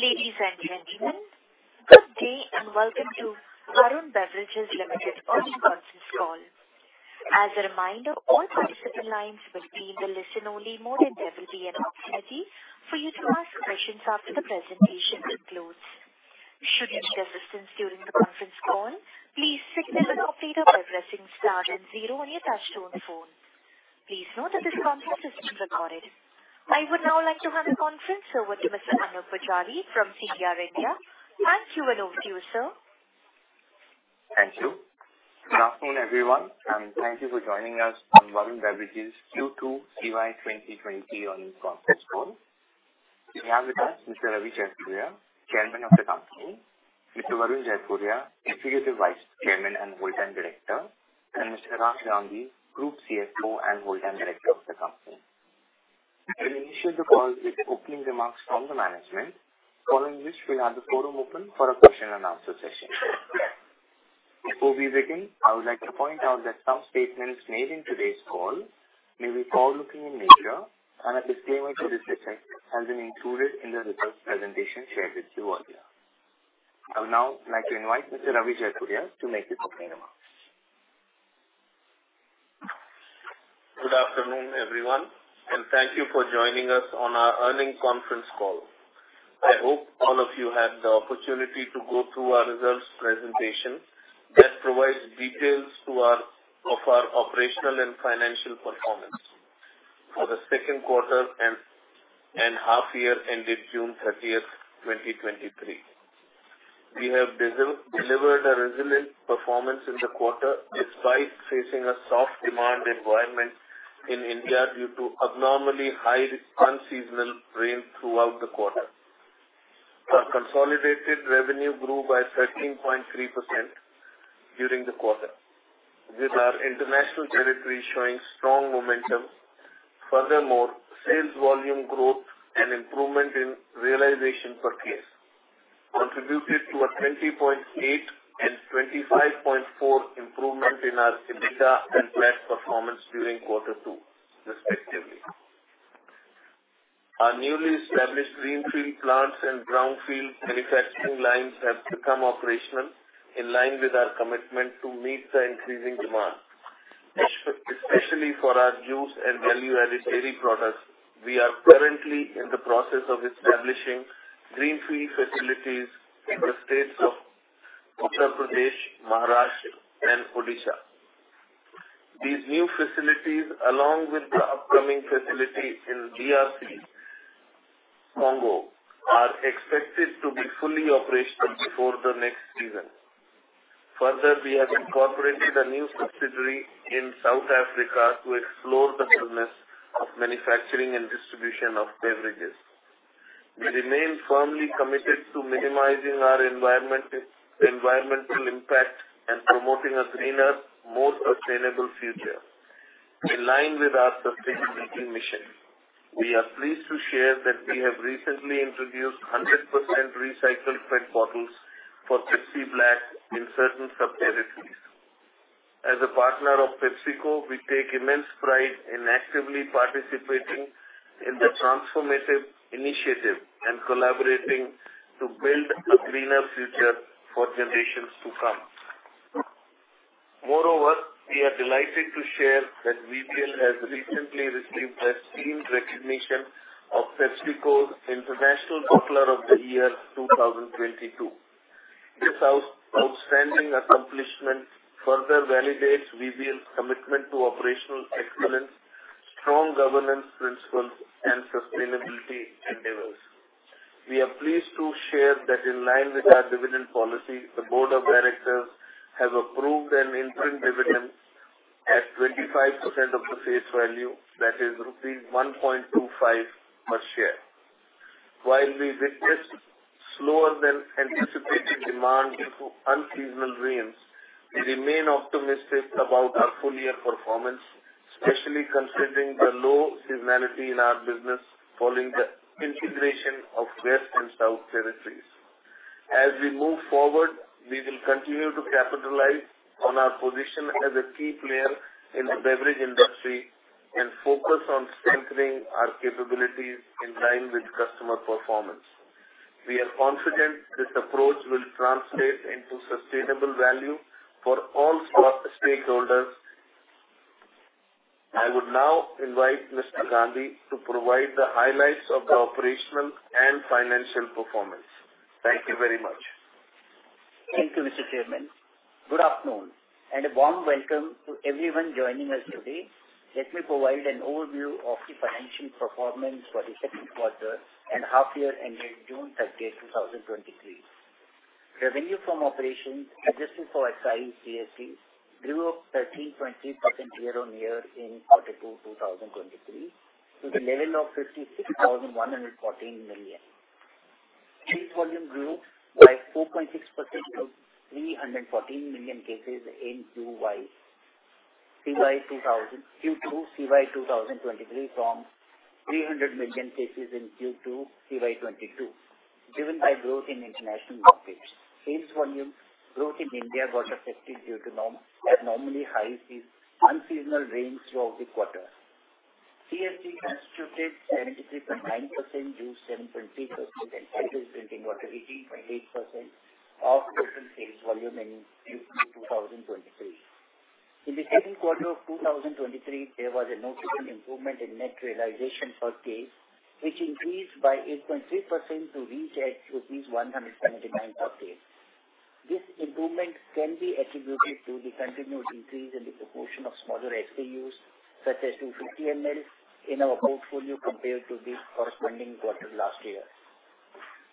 Ladies and gentlemen, good day, and welcome to Varun Beverages Limited earnings conference call. As a reminder, all participant lines will be in the listen-only mode, and there will be an opportunity for you to ask questions after the presentation concludes. Should you need assistance during the conference call, please signal an operator by pressing star and zero on your touchtone phone. Please note that this conference is being recorded. I would now like to have the conference over to Mr. Anoop Poojari from CDR India. I'll cue it over to you, sir. Thank you. Good afternoon, everyone, and thank you for joining us on Varun Beverages Q2 CY 2023 Earnings Conference Call. We have with us Mr. Ravi Jaipuria, Chairman of the company, Mr. Varun Jaipuria, Executive Vice Chairman and Full-time Director, and Mr. Raj Gandhi, Group CFO and Full-time Director of the company. We'll initiate the call with opening remarks from the management, following which we'll have the forum open for a question and answer session. Before we begin, I would like to point out that some statements made in today's call may be forward-looking in nature, and a disclaimer to this effect has been included in the results presentation shared with you earlier. I would now like to invite Mr. Ravi Jaipuria to make the opening remarks. Good afternoon, everyone. Thank you for joining us on our earnings conference call. I hope all of you had the opportunity to go through our results presentation that provides details of our operational and financial performance for Q2 and H1 ended June 30th, 2023. We have delivered a resilient performance in the quarter despite facing a soft demand environment in India due to abnormally high Untimely rain throughout the quarter. Our consolidated revenue grew by 13.3% during the quarter, with our international territory showing strong momentum. Sales volume growth and improvement in realization per case contributed to a 20.8 and 25.4 improvement in our EBITDA and flat performance during Q2, respectively. Our newly established greenfield plants and brownfield manufacturing lines have become operational in line with our commitment to meet the increasing demand, especially for our juice and value-added dairy products. We are currently in the process of establishing greenfield facilities in the states of Uttar Pradesh, Maharashtra, and Odisha. These new facilities, along with the upcoming facility in DRC, Congo, are expected to be fully operational before the next season. Further, we have incorporated a new subsidiary in South Africa to explore the business of manufacturing and distribution of beverages. We remain firmly committed to minimizing our environmental impact and promoting a cleaner, more sustainable future. In line with our sustainability mission, we are pleased to share that we have recently introduced 100% recycled PET bottles for Pepsi Black in certain territories. As a partner of PepsiCo, we take immense pride in actively participating in the transformative initiative and collaborating to build a greener future for generations to come. We are delighted to share that VBL has recently received the esteemed recognition of PepsiCo's International Bottler of the Year 2022. This outstanding accomplishment further validates VBL's commitment to operational excellence, strong governance principles, and sustainability endeavors. We are pleased to share that in line with our dividend policy, the Board of Directors has approved an interim dividend at 25% of the face value, that is rupees 1.25 per share. While we witness slower than anticipated demand due to unseasonal rains, we remain optimistic about our full-year performance, especially considering the low seasonality in our business following the integration of west and south territories. As we move forward, we will continue to capitalize on our position as a key player in the beverage industry and focus on strengthening our capabilities in line with customer performance. We are confident this approach will translate into sustainable value for all our stakeholders. I would now invite Mr. Gandhi to provide the highlights of the operational and financial performance. Thank you very much. Thank you, Mr. Chairman. Good afternoon, and a warm welcome to everyone joining us today. Let me provide an overview of the financial performance for the second quarter and half year-ended June 30th, 2023. Revenue from Operations, adjusted for excise, grew up 13.3% year on year in Q2 2023, to the level of 56,114 million. Sales volume grew by 4.6% to 314 million cases in Q2 CY 2023 from 300 million cases in Q2 CY22, driven by growth in international markets. Sales volume growth in India was affected due to abnormally high unseasonal rains throughout the quarter. CSD constituted 73.9%, juice 7.3%, and bottled drinking water 18.8% of total sales volume in Q2 2023. In the second quarter of 2023, there was a notable improvement in net realization per case, which increased by 8.3% to reach at INR 179 per case. This improvement can be attributed to the continued increase in the proportion of smaller SKUs, such as the 50 ml in our portfolio, compared to the corresponding quarter last year.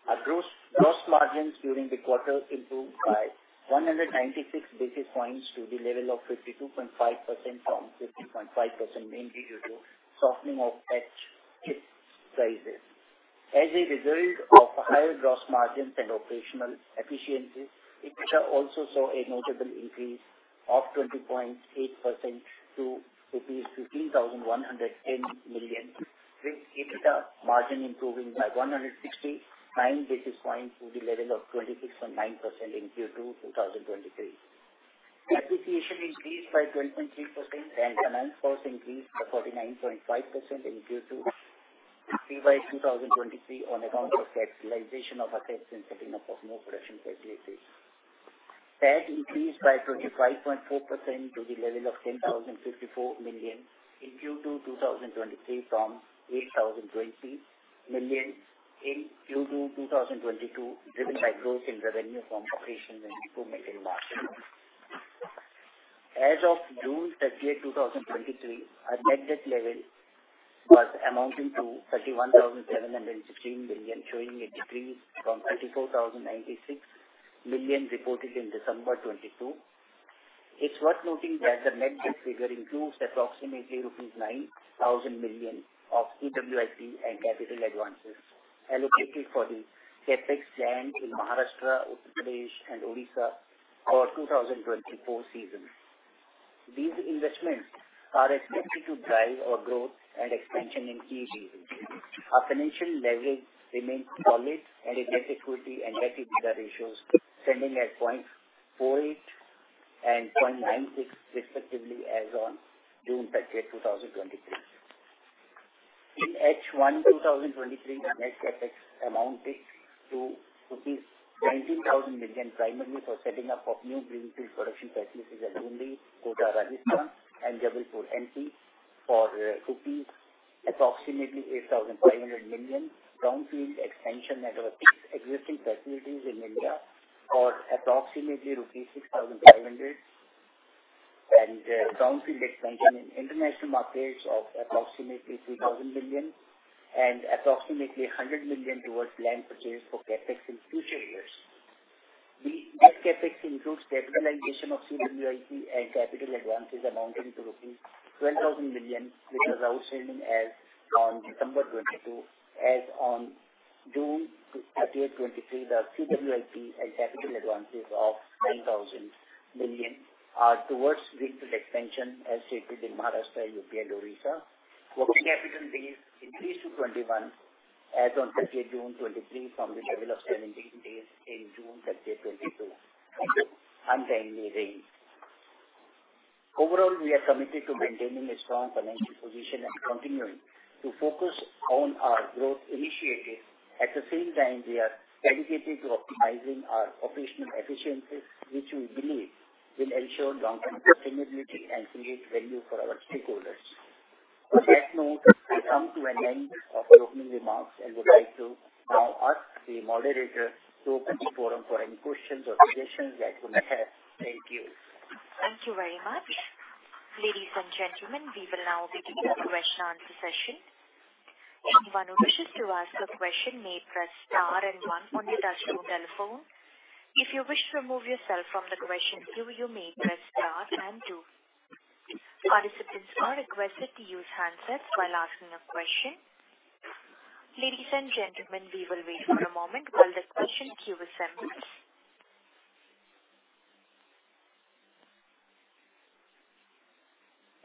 Our gross loss margins during the quarter improved by 196 basis points to the level of 52.5% from 50.5%, mainly due to softening of PET prices. As a result of higher gross margins and operational efficiencies, EBITDA also saw a notable increase of 20.8% to INR 15,110 million, with EBITDA margin improving by 169 basis points to the level of 26.9% in Q2 2023. Finance costs increased to 49.5% in Q2 FY 2023 on account of capitalization of assets and setting up of more production facilities. Debt increased by 25.4% to the level of 10,054 million in Q2 2023, from 8,020 million in Q2 2022, driven by growth in revenue from operations and improvement in margin. As of June 30, 2023, our net debt level was amounting to 31,716 billion, showing a decrease from 34,096 million reported in December 2022. It's worth noting that the net debt figure includes approximately rupees 9,000 million of CWIP and capital advances allocated for the CapEx land in Maharashtra, Uttar Pradesh, and Orissa for 2024 season. These investments are expected to drive our growth and expansion in key regions. Our financial leverage remains solid, and our net equity and net EBITDA ratios standing at 0.48 and 0.96 respectively as on June 30th, 2023. In H1 2023, the net CapEx amounted to rupees 19,000 million, primarily for setting up of new greenfield production facilities at Luni, Kota, Rajasthan, and Jabalpur, MP, for INR approximately 8,500 million. Brownfield expansion at our existing facilities in India for approximately ₹6,500, and brownfield expansion in international markets of approximately ₹3,000 million and approximately ₹100 million towards land purchase for CapEx in future years. The net CapEx includes capitalization of CWIP and capital advances amounting to ₹12,000 million, which are outstanding as on December 2022. As on June 30, 2023, the CWIP and capital advances of ₹10,000 million are towards greenfield expansion as stated in Maharashtra, UP, and Odisha. Working capital days increased to 21 as on June 30, 2023, from the level of 17 days in June 30, 2022, thank you. Untimely rain. Overall, we are committed to maintaining a strong financial position and continuing to focus on our growth initiatives. We are dedicated to optimizing our operational efficiencies, which we believe will ensure long-term sustainability and create value for our stakeholders. On that note, I come to an end of the opening remarks and would like to now ask the moderator to open the forum for any questions or suggestions that you may have. Thank you. Thank you very much. Ladies and gentlemen, we will now begin the question and answer session. Anyone who wishes to ask a question may press star one on your telephone. If you wish to remove yourself from the question queue, you may press star two. Participants are requested to use handsets while asking a question. Ladies and gentlemen, we will wait for a moment while the question queue is settled.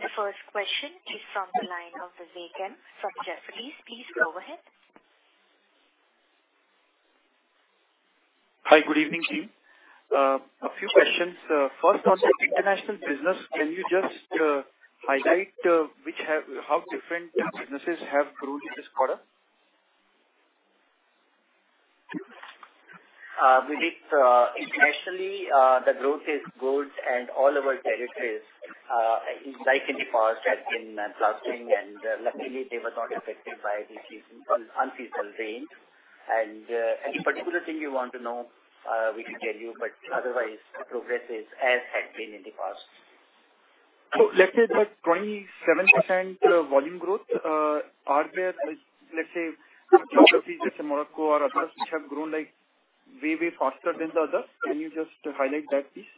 The first question is from the line of Vivek M. from Jefferies. Please go ahead. Hi. Good evening, team. A few questions. First on the international business, can you just highlight which have... How different businesses have grown in this quarter? We did, internationally, the growth is good and all our territories, like in the past, have been bustling, and luckily, they were not affected by the unseasonal rain. Any particular thing you want to know, we can tell you, but otherwise progress is as had been in the past. Let's say that 27% volume growth, are there, let's say, geographies such as Morocco or others, which have grown like way, way faster than the others? Can you just highlight that, please?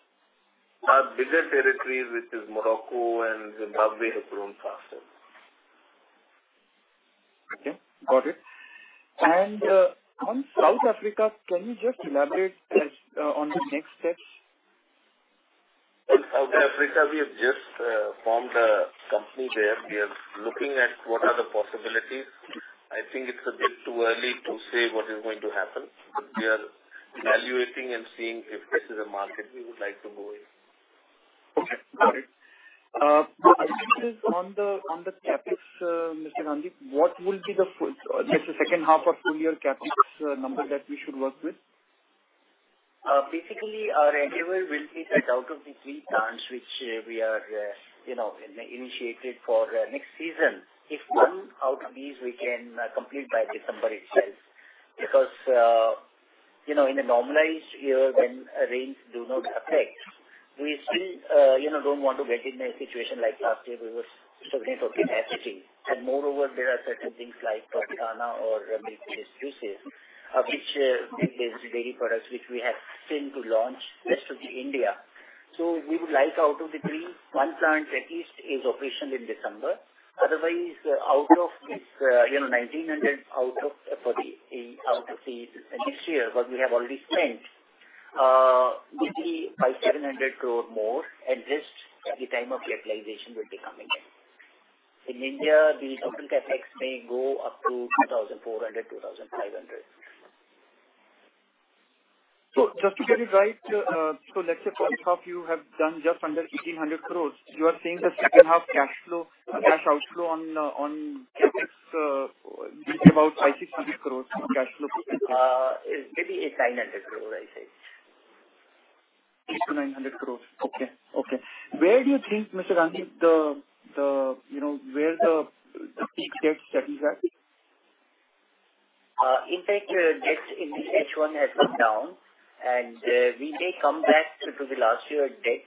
Our bigger territories, which is Morocco and Zimbabwe, have grown faster. Okay, got it. On South Africa, can you just elaborate as on the next steps? In South Africa, we have just formed a company there. We are looking at what are the possibilities. I think it's a bit too early to say what is going to happen, but we are evaluating and seeing if this is a market we would like to go in. Okay, got it. On the, on the CapEx, Mr. Gandhi, what will be the full, let's say second half or full-year CapEx number that we should work with? Basically, our endeavor will be that out of the three plants which we are, you know, initiated for next season. If one out of these we can complete by December itself, because, you know, in a normalized year when rains do not affect, we still, you know, don't want to get in a situation like last year we were struggling for capacity. Moreover, there are certain things like Tropicana or juices, of which there's daily products which we have seen to launch rest of the India. We would like out of the three, one plant at least is operational in December. Otherwise, out of this, you know, 19,000 million, out of, for the, out of the this year, what we have already spent, maybe by 7,000 million more, at least at the time of capitalization will be coming in. In India, the total CapEx may go up to 24,000 million, 25,000 million. Just to get it right, so let's say first half, you have done just under 1,800 crore. You are saying the second half cash flow, cash outflow on CapEx, will be about 500 crore- 600 crore cash flow? It maybe 800 crore-900 crore, I say. 800-900 crore. Okay. Okay. Where do you think, Mr. Raj Gandhi, you know, where peak gets that you have? In fact, debt in the H1 has come down, and we may come back to the last year debt,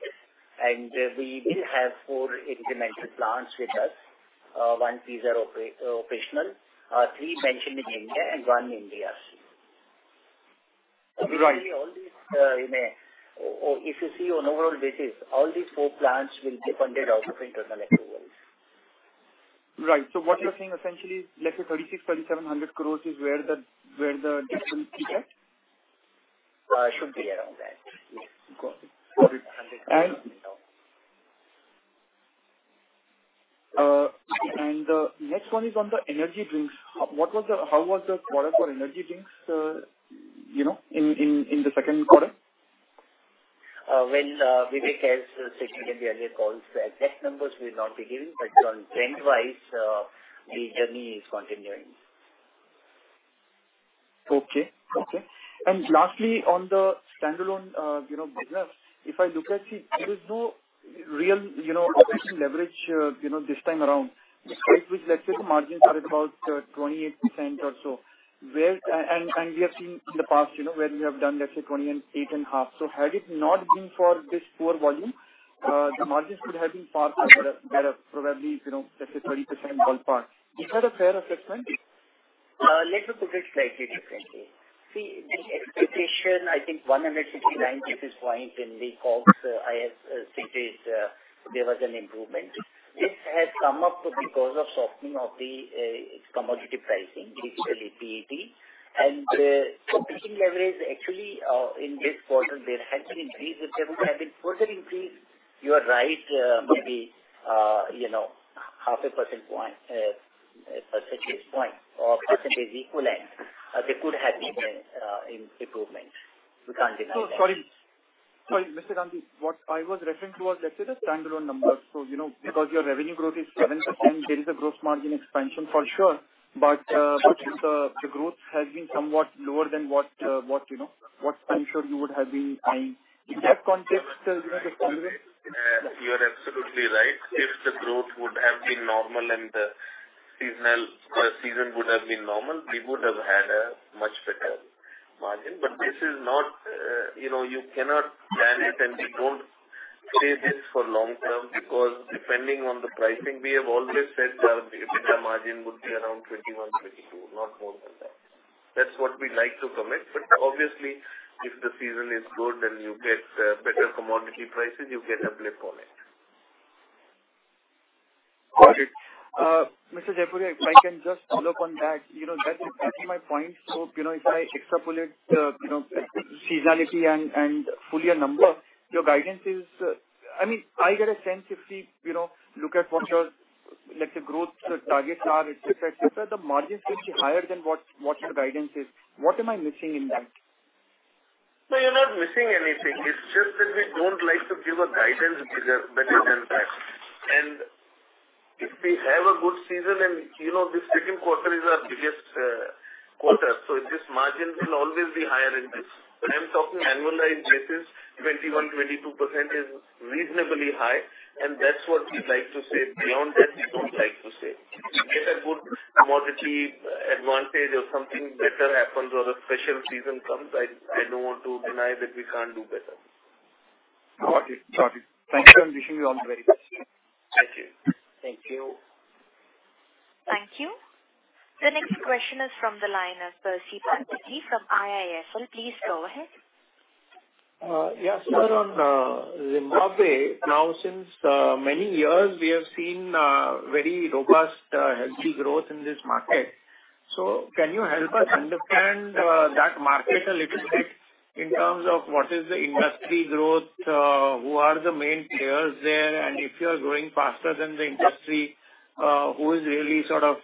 and we will have four incremental plants with us. One piece are operational, three mentioned in India and one in DRC. Right. All these, you know, or if you see on overall basis, all these four plants will be funded out of internal renewables. Right. What you're saying essentially is, let's say, 3,600 crore-3,700 crore is where the, where the Debt will peak at? should be around that. Yes. Got it. The next one is on the energy drinks. How was the quarter for energy drinks, you know, in, in, in the second quarter? Well, we take as stated in the earlier calls, the exact numbers will not be given, but on trend-wise, the journey is continuing. Okay. Okay. Lastly, on the standalone, you know, business, if I look at, see, there is no real, you know, operating leverage, you know, this time around. Despite which, let's say, the margins are about 28% or so. Where, and, and we have seen in the past, you know, where we have done, let's say, 28.5%. Had it not been for this poor volume, the margins could have been far better, better, probably, you know, let's say 30% ballpark. Is that a fair assessment? Let me put it slightly differently. See, the expectation, I think 169 basis points in the COGS, I have stated, there was an improvement. This has come up because of softening of its commodity pricing, basically, PET. Operating leverage, actually, in this quarter, there has been increase, which would have been further increased. You are right, maybe, you know, half a percent point, a percentage point or percentage equivalent, they could have been in improvement. We can't deny that. Sorry. Sorry, Mr. Gandhi, what I was referring to was let's say the standalone numbers. You know, because your revenue growth is 7%, there is a gross margin expansion for sure, but, but the, the growth has been somewhat lower than what, what you know, what I'm sure you would have been eyeing. In that context, you know, the progress. You are absolutely right. If the growth would have been normal and the seasonal season would have been normal, we would have had a much better margin. This is not, you know, you cannot plan it, and we don't say this for long term, because depending on the pricing, we have always said the EBITDA margin would be around 21%-22%, not more than that. That's what we like to commit. Obviously, if the season is good, then you get better commodity prices, you get a blip on it. Got it. Mr. Jaipuria, if I can just follow up on that, you know, that's, that's my point. You know, if I extrapolate, you know, seasonality and, and full-year number, your guidance is... I mean, I get a sense if we, you know, look at what your, let's say, growth targets are, et cetera, et cetera, the margins will be higher than what, what your guidance is. What am I missing in that? No, you're not missing anything. It's just that we don't like to give a guidance better than that. If we have a good season and, you know, this second quarter is our biggest quarter, so this margin will always be higher in this. I'm talking annualized basis, 21-22% is reasonably high, and that's what we like to say. Beyond that, we don't like to say. If we get a good commodity advantage or something better happens or a special season comes, I, I don't want to deny that we can't do better. Got it. Got it. Thank you for wishing me all the very best. Thank you. Thank you. Thank you. The next question is from the line of Percy Panthaki from IIFL. Please go ahead. Yes, sir. On Zimbabwe, now, since many years, we have seen very robust, healthy growth in this market. Can you help us understand that market a little bit in terms of what is the industry growth, who are the main players there? If you are growing faster than the industry, who is really sort of,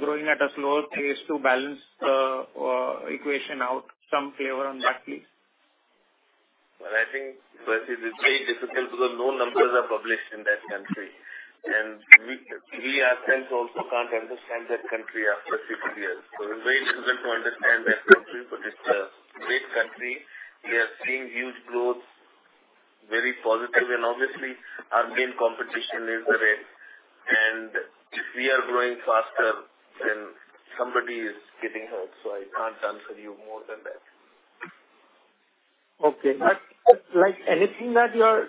growing at a slower pace to balance the equation out, some flavor on that, please? Well, I think, Percy, it is very difficult because no numbers are published in that country, and we, we ourselves also can't understand that country after 50 years. It's very difficult to understand that country, but it's a great country. We are seeing huge growth, very positive, and obviously, our main competition is the red, and we are growing faster than somebody is getting hurt, so I can't answer you more than that. Okay. Like anything that you are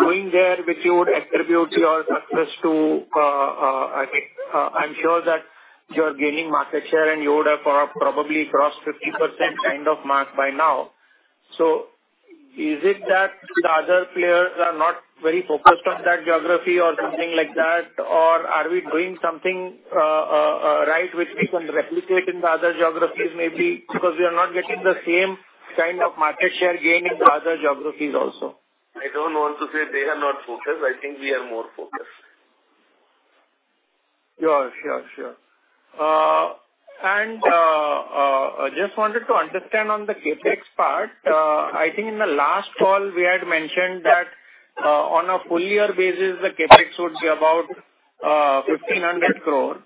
doing there, which you would attribute your success to, I think, I'm sure that you are gaining market share, and you would have probably crossed 50% kind of mark by now. Is it that the other players are not very focused on that geography or something like that? Are we doing something right, which we can replicate in the other geographies maybe, because we are not getting the same kind of market share gain in the other geographies also? I don't want to say they are not focused. I think we are more focused. Sure, sure, sure. I just wanted to understand on the CapEx part. I think in the last call, we had mentioned that on a full-year basis, the CapEx would be about INR 15,000 million.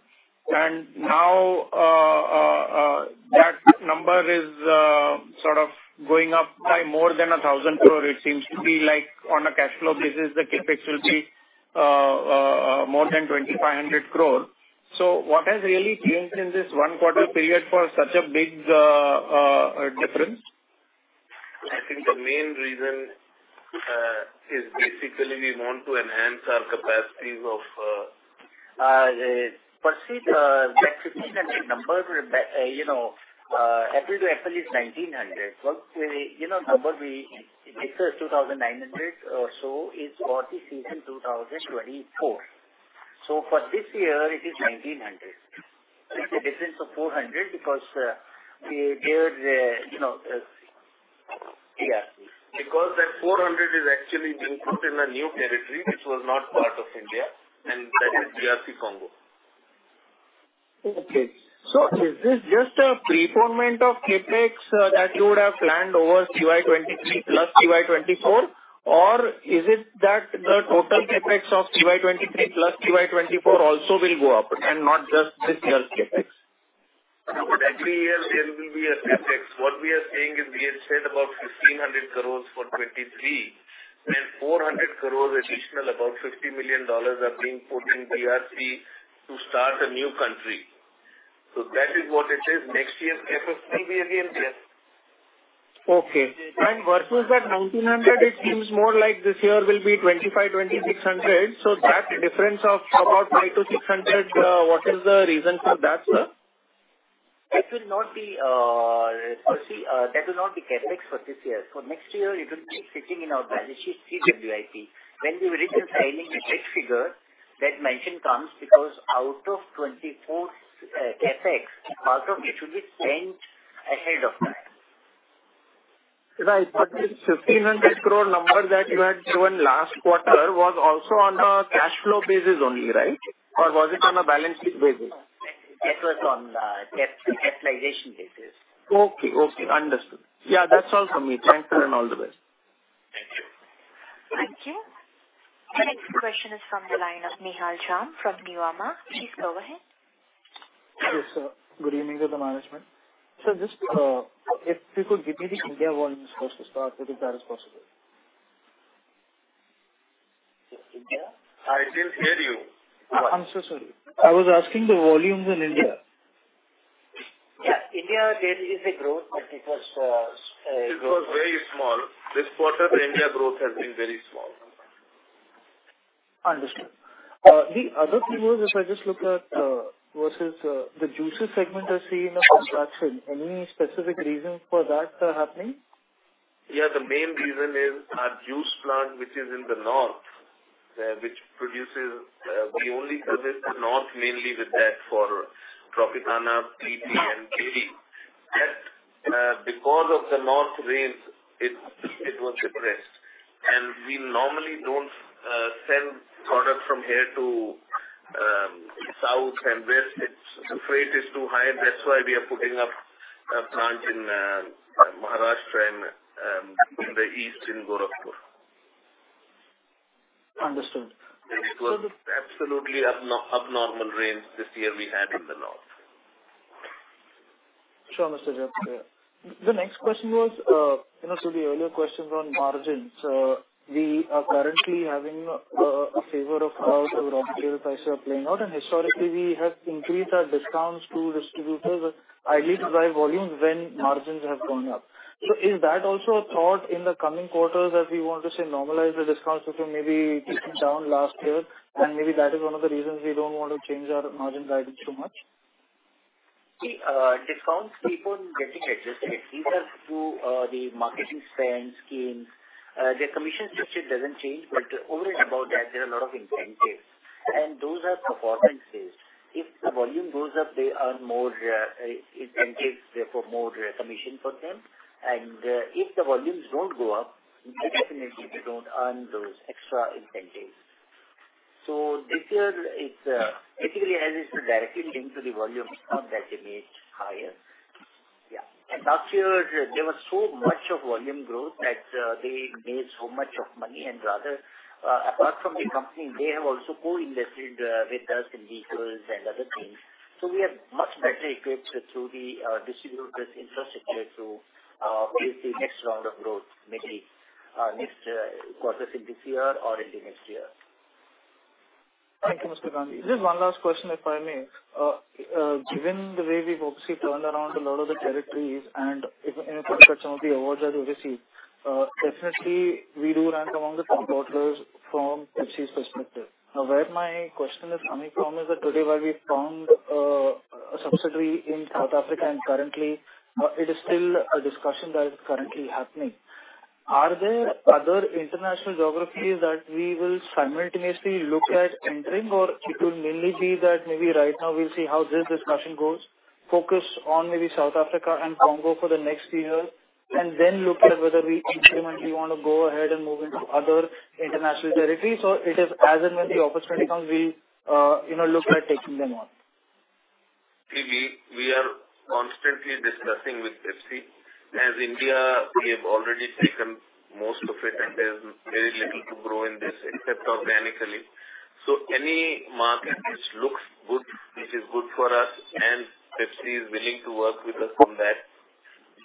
Now that number is sort of going up by more than 10,000 million. It seems to be like on a cash flow basis, the CapEx will be more than 25,000 million. What has really changed in this one quarter period for such a big difference? I think the main reason is basically we want to enhance our capacities of. Percy, that INR 1,500 number, you know, FY to FY is 1,900. It exceeds 2,900 or so is for the 2024 season. So for this year, it is 1,900. It's a difference of 400 because we gave, you know, DRC. That 400 is actually being put in a new territory which was not part of India, and that is DRC, Congo. Okay. Is this just a pre-payment of CapEx that you would have planned over CY 2023 plus CY 2024, or is it that the total CapEx of CY 2023 plus CY 2024 also will go up and not just this year's CapEx? Every year there will be a CapEx. What we are saying is we had spent about 1,500 crore for 2023, and 400 crore additional, about $50 million, are being put in DRC to start a new country. That is what it is. Next year's CapEx will be again there. Okay. Versus that 1,900 million, it seems more like this year will be 2,500 million-2,600 million. That difference of about 500 million-600 million, what is the reason for that, sir? It will not be that will not be CapEx for this year. For next year, it will be sitting in our balance sheet CWIP. When we will issue filing the debt figure, that mention comes because out of 2024 CapEx, part of it will be spent ahead of time. Right. This 1,500 crore number that you had given last quarter was also on a cash flow basis only, right? Or was it on a balance sheet basis? That was on the capitalization basis. Okay. Okay, understood. Yeah, that's all from me. Thank you, and all the best. Thank you. Thank you. The next question is from the line of Nihal Jham from Nuvama. Please go ahead. Yes, sir. Good evening to the management. Sir, just, if you could give me the India volumes first to start with, if that is possible. India? I didn't hear you. I'm so sorry. I was asking the volumes in India. Yeah, India, there is a growth, but it was. It was very small. This quarter, the India growth has been very small. Understood. The other thing was, if I just look at, versus, the juices segment, I see in the construction. Any specific reason for that, happening? Yeah, the main reason is our juice plant, which is in the north, which produces, we only service the north mainly with that for Tropicana TP and KD. That, because of the north rains, it, it was depressed. We normally don't send product from here to south and west. It's, the freight is too high. That's why we are putting up a plant in Maharashtra and in the east in Gorakhpur. Understood. It was absolutely abnormal rains this year we had in the north. Sure, Mr. Jaipuria. The next question was, you know, so the earlier questions on margins. We are currently having a favor of our raw material prices are playing out, and historically, we have increased our discounts to distributors, but highly drive volumes when margins have gone up. Is that also a thought in the coming quarters as we want to, say, normalize the discount system, maybe take it down last year, and maybe that is one of the reasons we don't want to change our margin guidance too much? The discounts keep on getting adjusted, either through the marketing spend schemes. Their commission structure doesn't change, but over and above that, there are a lot of incentives. Those are performance based. If the volume goes up, they earn more incentives, therefore more commission for them. If the volumes don't go up, definitely they don't earn those extra incentives. This year, it's basically as it's directly linked to the volume of that image higher. Yeah. Last year, there was so much of volume growth that they made so much of money and rather, apart from the company, they have also co-invested with us in vehicles and other things. We are much better equipped through the distributors infrastructure to the next round of growth, maybe next quarter in this year or in the next year. Thank you, Mr. Gandhi. Just one last question, if I may. Given the way we've obviously turned around a lot of the territories, and if, in terms of some of the awards that we've received, definitely we do rank among the top quarters from Pepsi's perspective. Now, where my question is coming from is that today, while we found a subsidiary in South Africa, and currently, it is still a discussion that is currently happening. Are there other international geographies that we will simultaneously look at entering, or it will mainly be that maybe right now we'll see how this discussion goes, focus on maybe South Africa and Congo for the next few years, and then look at whether we incrementally want to go ahead and move into other international territories? It is as and when the opportunity comes, we'll, you know, look at taking them on. We are constantly discussing with Pepsi. As India, we have delivered a resilient performance and we have already taken most of it, and there's very little to grow in this except organically. Any market which looks good, which is good for us, and Pepsi is willing to work with us on that,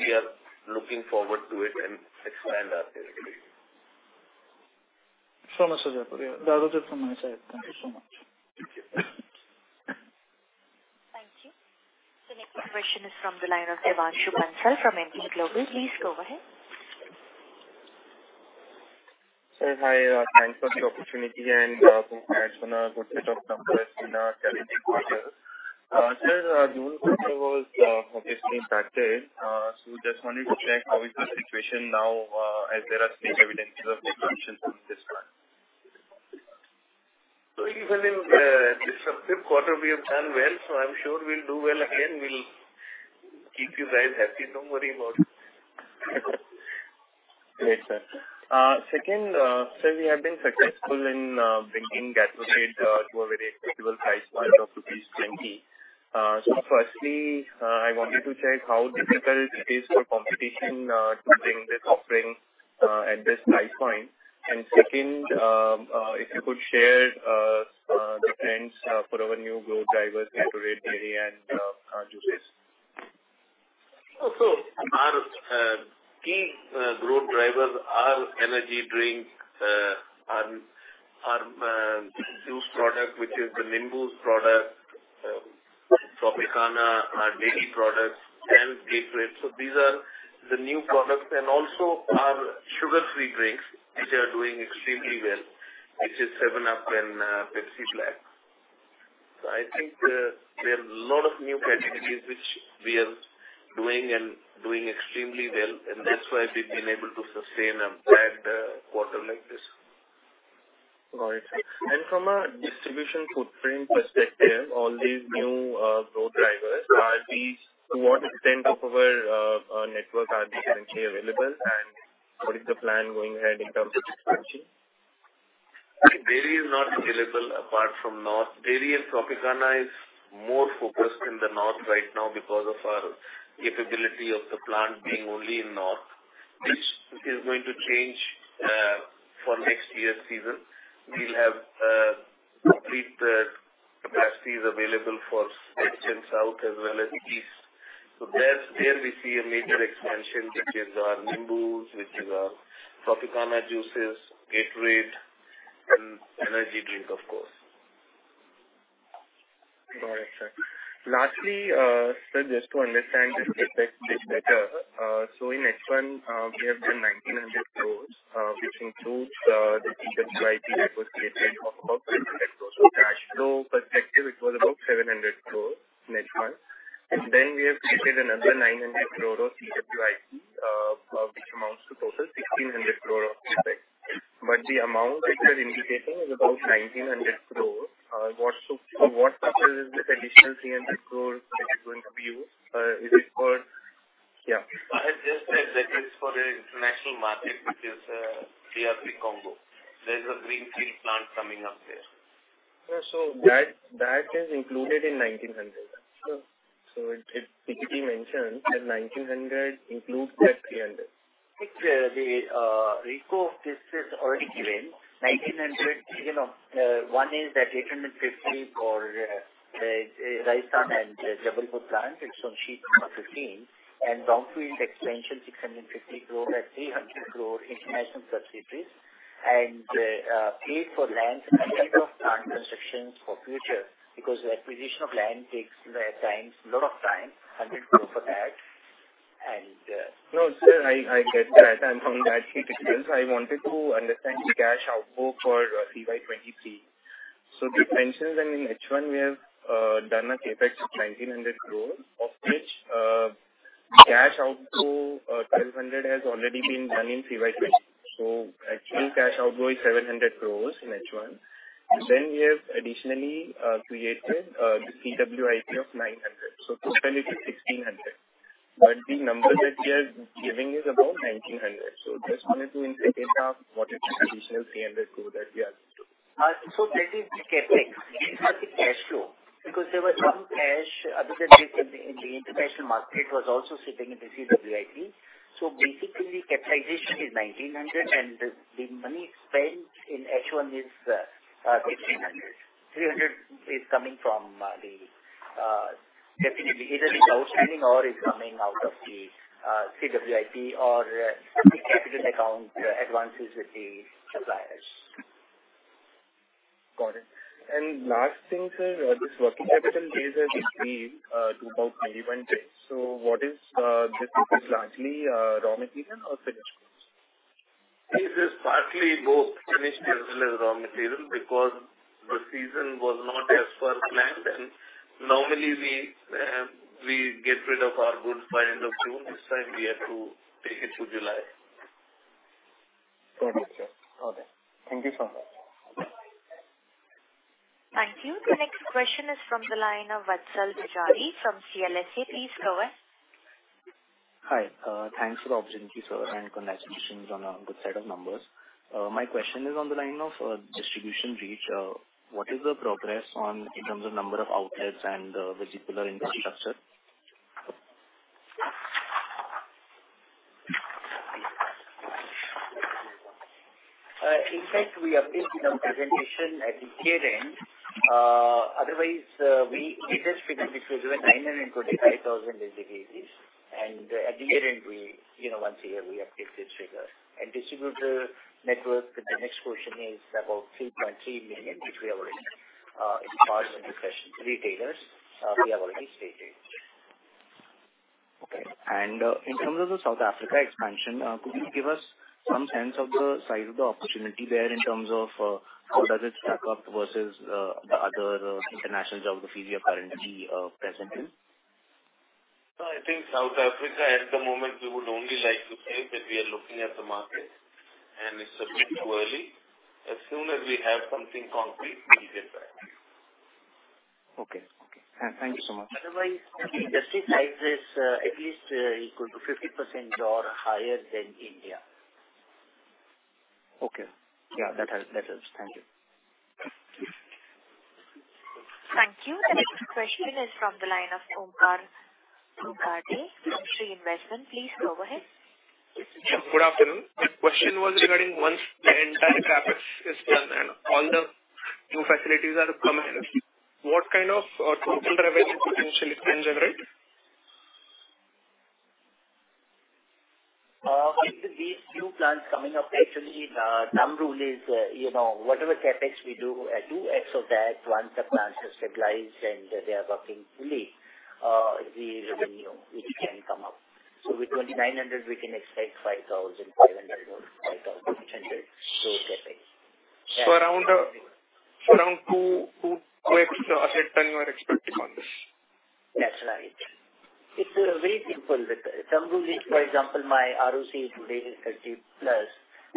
we are looking forward to it and expand our territory. Sure, Mr. Jaipuria. That was it for my side. Thank you so much. Thank you. Thank you. The next question is from the line of Devanshu Bansal from Emkay Global. Please go ahead. Sir, hi. Thanks for the opportunity and congrats on a good set of numbers in a challenging quarter. Sir, June quarter was obviously impacted. Just wanted to check, how is the situation now, as there are clear evidences of consumption from this one? Even in this substantive quarter, we have done well, so I'm sure we'll do well again. We'll keep you guys happy. Don't worry about it. Great, sir. Second, sir, we have been successful in bringing Gatorade to a very acceptable price point of rupees 20. Firstly, I wanted to check how difficult it is for competition to bring this offering at this price point? Second, if you could share the trends for our new growth drivers, Gatorade, dairy and juices? Our key growth drivers are energy drinks, juice product, which is the Nimboo product, Tropicana, our dairy products and Gatorade. These are the new products, and also our sugar-free drinks, which are doing extremely well, which is 7Up and Pepsi Black. I think there are a lot of new categories which we are doing and doing extremely well, and that's why we've been able to sustain a bad quarter like this. Got it. From a distribution footprint perspective, all these new, growth drivers, to what extent of our, our network are they currently available, and what is the plan going ahead in terms of expansion? Dairy is not available apart from North. Dairy and Tropicana is more focused in the North right now because of our capability of the plant being only in North, which is going to change for next year's season. We'll have complete capacities available for central South as well as east. There, there we see a major expansion, which is our Nimbooz, which is our Tropicana juices, Gatorade, and energy drink, of course. Got it, sir. Lastly, sir, just to understand this a bit better, in H1, we have done 1,900 crore, which includes the CWIP that was created of about 800 crore. Cash flow perspective, it was about 700 crore net one. Then we have created another 900 crore of CWIP, which amounts to total 1,600 crore of CapEx. The amount which you're indicating is about 1,900 crore. What are the additional 300 crore that you're going to use? Is it for... Yeah. I had just said that it's for the international market, which is DRC, Congo. There's a greenfield plant coming up there. Yeah. That is included in 1,900. Sure. It, it could be mentioned that 1,900 includes that 300. It, the rigor of this is already given. 1,900 crore, you know, one is that 850 crore for Rajasthan and Jabalpur plant. It's on sheet number 15. brownfield expansion, 650 crore at 300 crore international subsidiaries. Paid for land and end of plant constructions for future, because the acquisition of land takes times, a lot of time, INR 100 crore for that. No, sir, I, I get that. from that perspective, I wanted to understand the cash outflow for FY 2023. dimensions in H1, we have done a CapEx of 1,900 crore, of which Cash outflow, 1,200 crore has already been done in 3 by 20. actual cash outflow is 700 crore in H1. we have additionally created the CWIP of 900 crore, so totally to 1,600 crore. the number that we are giving is about 1,900 crore. just wanted to insert it now, what is the additional 300 crore that we are up to? That is the CapEx, not the cash flow, because there was some cash other than in the international market was also sitting in the CWIP. Basically, capitalization is 1,900, and the money spent in H1 is 300. 300 is coming from definitely either is outstanding or is coming out of the CWIP or the capital account advances with the suppliers. Got it. Last thing, sir, this working capital days are between, 21 days. What is this largely, raw material or finished goods? This is partly both, finished as well as raw material, because the season was not as per planned, and normally we, we get rid of our goods by end of June. This time we had to take it to July. Got it, sir. Okay, thank you so much. Thank you. The next question is from the line of Vatsal Bajaria from CLSA. Please go ahead. Hi, thanks for the opportunity, sir, and congratulations on a good set of numbers. My question is on the line of distribution reach. What is the progress on in terms of number of outlets and the distributor infrastructure? In fact, we have taken a presentation at the year-end. Otherwise, we just finished with 925,000 distributors. At the year-end, we, you know, once a year, we update this figure. Distributor network, the next question is about 3.3 million, which we have already, in the session, retailers, we have already stated. Okay. In terms of the South Africa expansion, could you give us some sense of the size of the opportunity there in terms of, how does it stack up versus, the other international geography we are currently, present in? I think South Africa, at the moment, we would only like to say that we are looking at the market and it's a bit too early. As soon as we have something concrete, we get back. Okay. Okay. Thank you so much. Otherwise, just in size, at least, equal to 50% or higher than India. Okay. Yeah, that helps. That helps. Thank you. Thank you. The next question is from the line of Omkar Ghugardare from Shree Investment. Please go ahead. Yeah, good afternoon. The question was regarding once the entire CapEx is done and all the new facilities are coming, what kind of total revenue potentially can generate? With these new plants coming up, actually, thumb rule is, you know, whatever CapEx we do, do so that once the plants are stabilized and they are working fully, the revenue it can come out. With 2,900 million, we can expect 5,500 million or 5,800 million growth CapEx. Around 2x, or 8x you are expecting on this? That's right. It's very simple. The thumb rule is, for example, my ROC is today is 30+,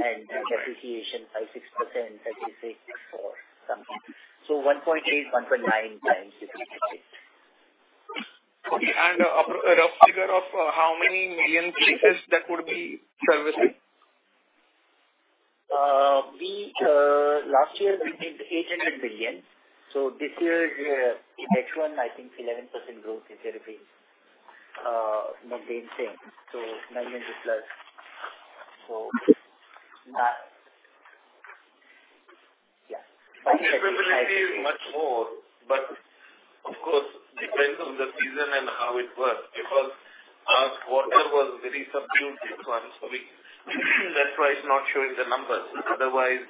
and the depreciation 5%-6%, 36 or something. 1.8x-1.9x. Okay. A, a rough figure of how many million cases that would be servicing? Last year we did 800 million. This year, H1, I think 11% growth is there, remain same, so INR 900+ million. Yeah. Capability is much more, but of course, depends on the season and how it works, because last quarter was very subdued this one. That's why it's not showing the numbers. Otherwise,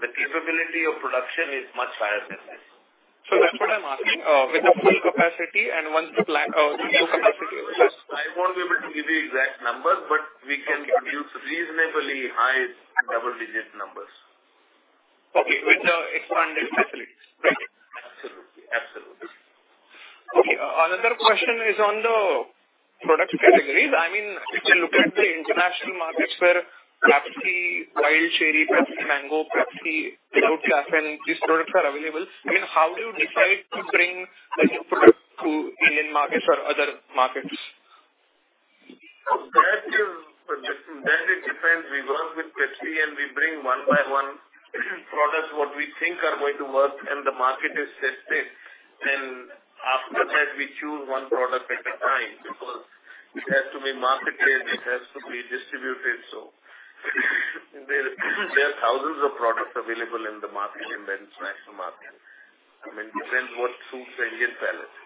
the capability of production is much higher than this. That's what I'm asking. with the full capacity and once the plant, new capacity. I won't be able to give you exact numbers, but we can produce reasonably high double-digit numbers. Okay. With the expanded facilities, right? Absolutely. Absolutely. Okay. Another question is on the product categories. I mean, if you look at the international markets where Pepsi, Wild Cherry Pepsi, Mango Pepsi, Cut Glass, and these products are available, I mean, how do you decide to bring a new product to Indian markets or other markets? That is, that is different. We work with Pepsi and we bring one by one products what we think are going to work and the market is tested. After that, we choose one product at a time because it has to be marketed, it has to be distributed. There, there are thousands of products available in the market, in the international market. I mean, depends what suits the Indian palate.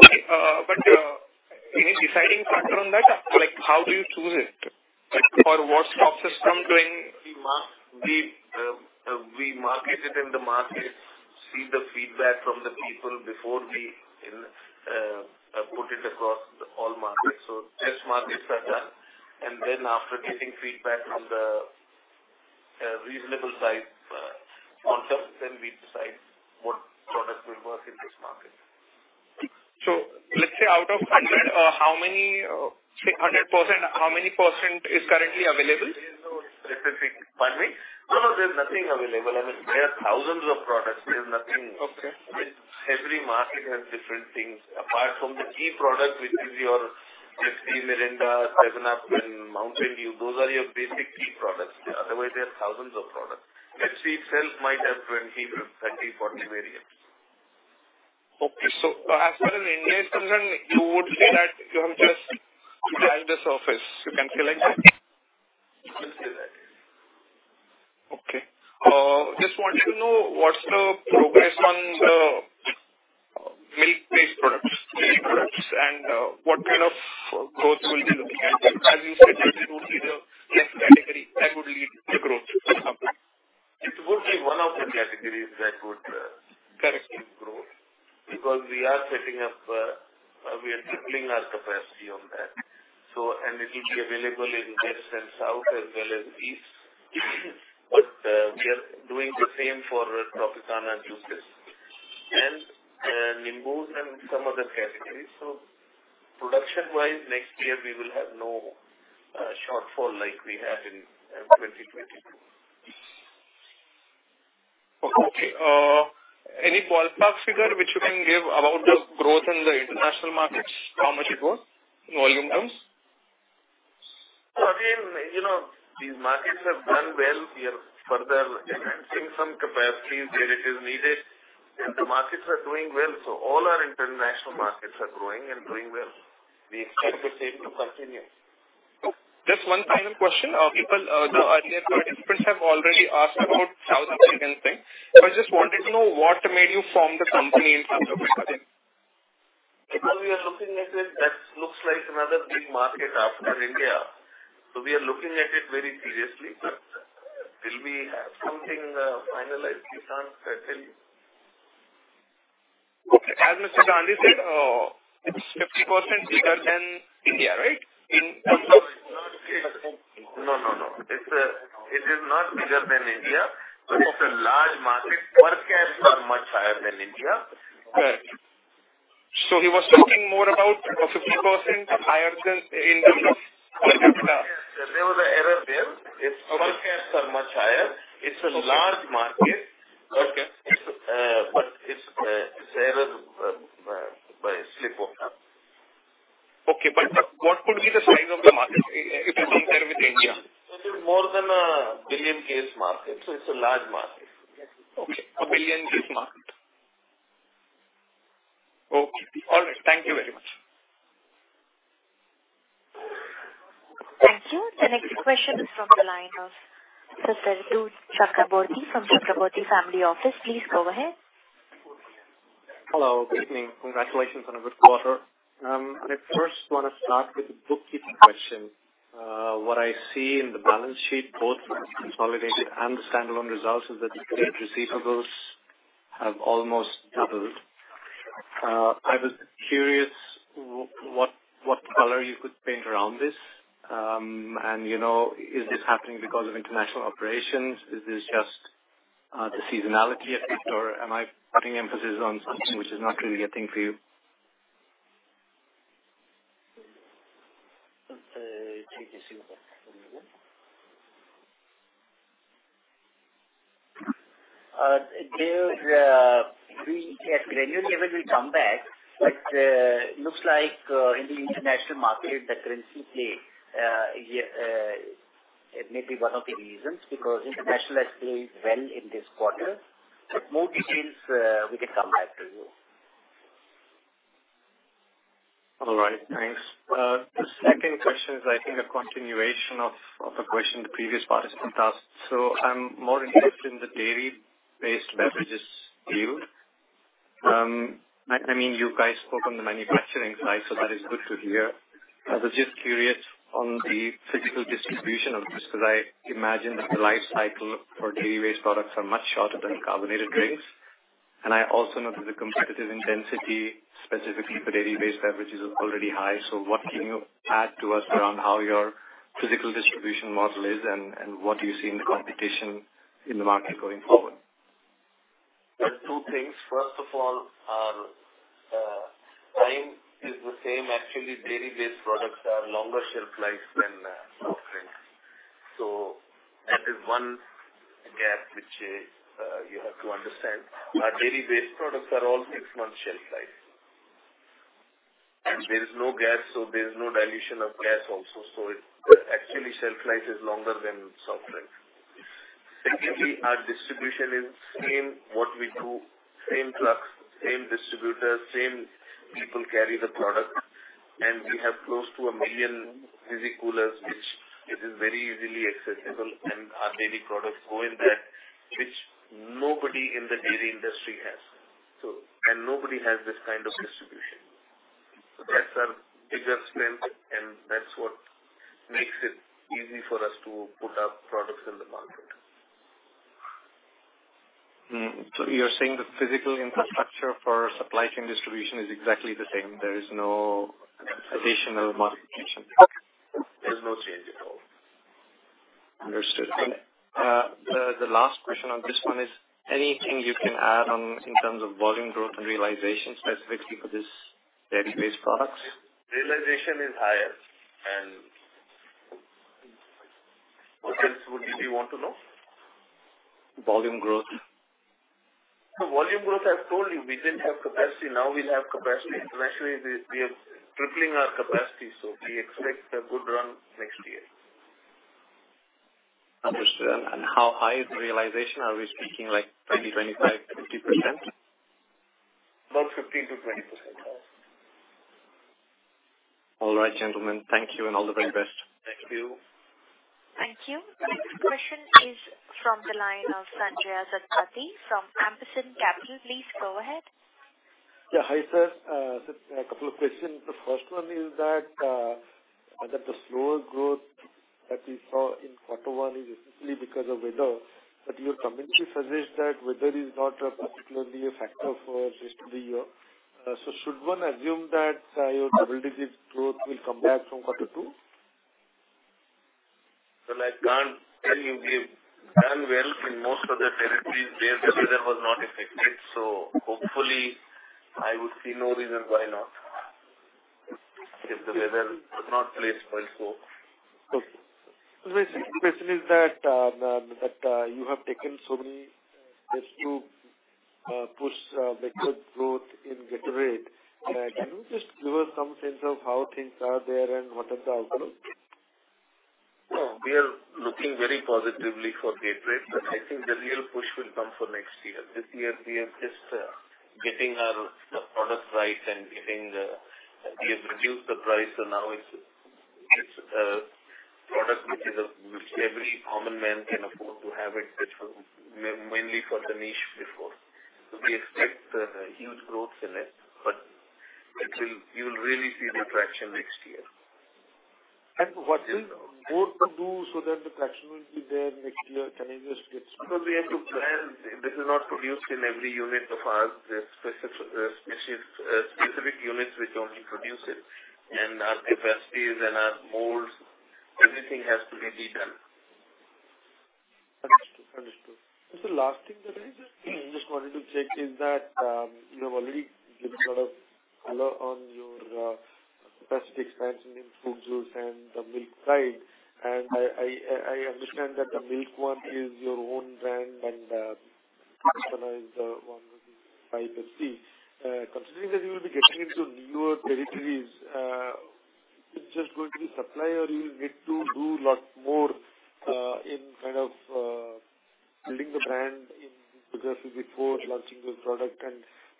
Okay, any deciding factor on that? Like, how do you choose it? Like, for what stock system doing- We market it in the market, see the feedback from the people before we put it across all markets. Test markets are done, after getting feedback from a reasonable size on top, then we decide what product will work in this market. let's say out of 100, how many, say 100%, how many % is currently available? There's no specific. Pardon me? No, no, there's nothing available. I mean, there are thousands of products. There's nothing- Okay. Every market has different things. Apart from the key product, which is your Pepsi, Mirinda, 7Up, and Mountain Dew, those are your basic key products. Otherwise, there are thousands of products. Pepsi itself might have 20, 30, 40 variants. Okay. As far as an investment, you would say that you have just scratched the surface, you can select that? You can say that. Okay. Just wanted to know what's the progress on the milk-based products, dairy products, and what kind of growth we'll be looking at? As you said, it would be the next category that would lead to growth. It would be one of the categories that would- Correct. Grow. Because we are setting up, we are doubling our capacity on that. It will be available in west and south as well as east. We are doing the same for Tropicana juices and Limon and some other categories. Production-wise, next year we will have no shortfall like we had in 2022. Okay. Any ballpark figure which you can give about the growth in the international markets? How much it grow in volume terms? You know, these markets have done well. We are further enhancing some capacities where it is needed. All our international markets are growing and doing well. We expect the same to continue. Just one final question. People, the earlier participants have already asked about South African thing. I just wanted to know what made you form the company in South Africa? We are looking at it, that looks like another big market after India, so we are looking at it very seriously. Till we have something finalized, we can't tell you. Okay. As Mr. Gandhi said, it's 50% bigger than India, right? In terms of- No, no, no. It's, it is not bigger than India, but it's a large market. Per caps are much higher than India. Right. He was talking more about 50% higher than India. There was an error there. Okay. Its per caps are much higher. It's a large market. Okay. It's error, by slip of tongue. Okay, what could be the size of the market if you compare with India? It is more than a 1 billion case market, so it's a large market. Okay. A 1 billion case market. Okay. All right. Thank you very much. Thank you. The next question is from the line of Satadru Chakraborty from Chakraborty Family Office. Please go ahead. Hello, good evening. Congratulations on a good quarter. I first want to start with a bookkeeping question. What I see in the balance sheet, both consolidated and the standalone results, is that the trade receivables have almost doubled. I was curious what, what color you could paint around this? You know, is this happening because of international operations? Is this just, the seasonality at it, or am I putting emphasis on something which is not really a thing for you? Trade receivable. There, we at granular level, we come back, but looks like in the international market, the currency play, it may be one of the reasons, because international has played well in this quarter, but more details, we can come back to you. All right, thanks. The second question is, I think, a continuation of, of a question the previous participant asked. I'm more interested in the dairy-based beverages view. I mean, you guys spoke on the manufacturing side, so that is good to hear. I was just curious on the physical distribution of this, because I imagine that the life cycle for dairy-based products are much shorter than carbonated drinks. I also know that the competitive intensity, specifically for dairy-based beverages, is already high. What can you add to us around how your physical distribution model is and, and what do you see in the competition in the market going forward? There are two things. First of all, our time is the same. Actually, dairy-based products are longer shelf lives than soft drinks. That is one gap which you have to understand. Our dairy-based products are all six months shelf life. There is no gas, so there's no dilution of gas also. It... Actually, shelf life is longer than soft drinks. Secondly, our distribution is same, what we do, same trucks, same distributors, same people carry the product, and we have close to a million fizzy coolers, which it is very easily accessible, and our daily products go in there, which nobody in the dairy industry has. Nobody has this kind of distribution. That's our biggest strength, and that's what makes it easy for us to put our products in the market. Mm-hmm. You're saying the physical infrastructure for supply chain distribution is exactly the same, there is no additional modification? There's no change at all. Understood. The, the last question on this one is: anything you can add on in terms of volume growth and realization, specifically for this dairy-based products? Realization is higher. What else would you want to know? Volume growth. The volume growth, I've told you, we didn't have capacity. Now we'll have capacity. We are tripling our capacity. We expect a good run next year. Understood. How high is the realization? Are we speaking, like, 20%, 25%, 50%? About 15%-20%. All right, gentlemen. Thank you, and all the very best. Thank you. Thank you. The next question is from the line of Sanjaya Satapathy from Ampersand Capital. Please go ahead. Yeah, hi, sir. A couple of questions. The first one is that the slower growth that we saw in Q1 is essentially because of weather, but your company suggests that weather is not particularly a factor for rest of the year. Should one assume that your double-digit growth will come back from Q2? I can't tell you we've done well in most of the territories where the weather was not affected, so hopefully I would see no reason why not, if the weather does not play its role. Okay. The second question is that, that you have taken so many steps to push record growth in greater rate. Can you just give us some sense of how things are there and what are the outlook? Well, we are looking very positively for gate rate, but I think the real push will come for next year. This year we are just getting our products right and getting the... We have reduced the price, so now it's, it's product which is a, which every common man can afford to have it, which was mainly for the niche before. We expect a huge growth in it, but it will, you will really see the traction next year. What will board to do so that the traction will be there next year? Can you just explain? Because we have to plan. This is not produced in every unit of ours. There's specific, specific, specific units which only produce it, and our capacities and our molds, everything has to be redone. Understood, understood. The last thing that I wanted to check is that, you have already given a lot of color on your specific expansion in fruit juice and the milk side. I understand that the milk one is your own brand, and personalized one with five FC. Considering that you will be getting into newer territories, it's just going to be supplier, you'll need to do a lot more, in kind of, building the brand in progressively before launching your product, and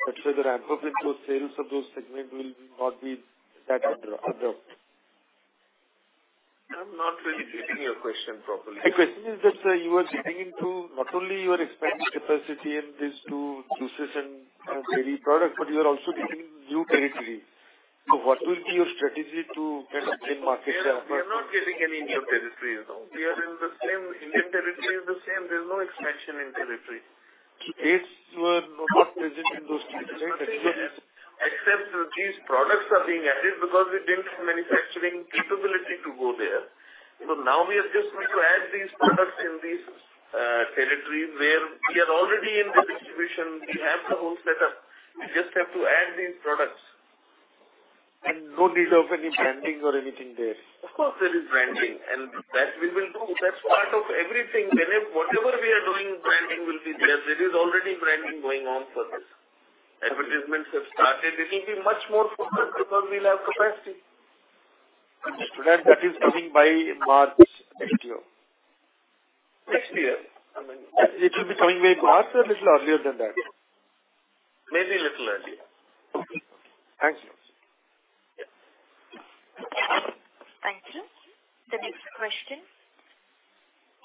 make sure that appropriate sales of those segment will not be that under. I'm not really getting your question properly. My question is just, you are getting into not only you are expanding capacity in these two juices and dairy products, but you are also getting new territory. What will be your strategy to kind of gain market share? We are not getting any new territory at all. We are in the same Indian territory, the same. There's no expansion in territory. It's not present in those territories. Except these products are being added because we didn't have manufacturing capability to go there. Now we are just going to add these products in these territories where we are already in this distribution. We have the whole setup. We just have to add these products. No need of any branding or anything there? Of course, there is branding, and that we will do. That's part of everything. Whatever we are doing, branding will be there. There is already branding going on for this. Advertisements have started. It will be much more focused because we'll have capacity. Understood. That is coming by March next year? Next year. I mean- It will be coming by March or little earlier than that? Maybe a little earlier. Okay. Thanks. Thank you. The next question